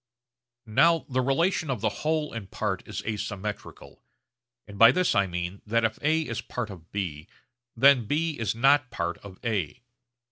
Now the relation of whole and part is asymmetrical; and by this I mean that if A is part of B, then B is not part of A.